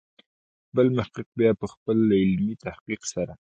بل محقق بیا په خپل علمي تحقیق سره.